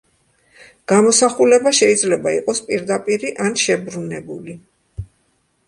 გამოსახულება შეიძლება იყოს პირდაპირი ან შებრუნებული.